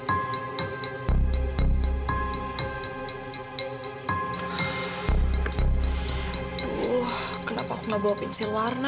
aduh kenapa aku nggak bawa pensil warna ya